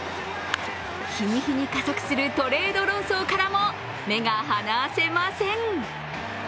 日に日に加速するトレード論争からも目が離せません。